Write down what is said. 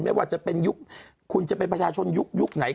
ไม่ว่าจะเป็นยุคคุณจะเป็นประชาชนยุคยุคไหน